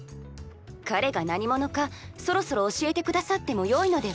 彼が何者かそろそろ教えて下さっても良いのでは？